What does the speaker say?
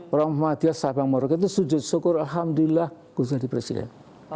orang muhammadiyah sahabat morog itu sujud syukur alhamdulillah gusur jadi presiden